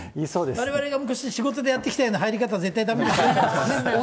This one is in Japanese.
われわれが昔、仕事でやってきたような入り方、絶対だめですね。